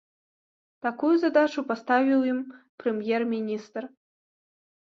Такую задачу паставіў ім прэм'ер-міністр.